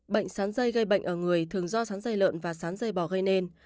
bệnh sán dây gây bệnh ở người thường do sán dây lợn và sán dây bỏ gây nên